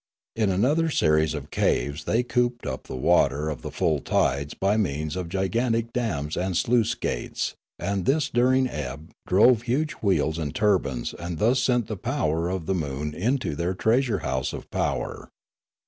In another series of caves they cooped up the water of the full tides by means of gigantic dams and sluice gates, and this dur ing ebb drove huge wheels and turbines and thus sent the power of the moon into their treasure house of power.